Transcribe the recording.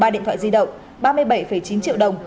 ba điện thoại di động ba mươi bảy chín triệu đồng